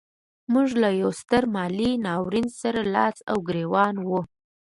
موږ له یوه ستر مالي ناورین سره لاس و ګرېوان وو.